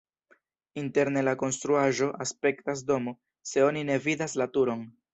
Interne la konstruaĵo aspektas domo, se oni ne vidas la turon.